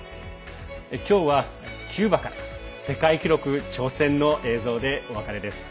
今日はキューバから世界記録挑戦の映像でお別れです。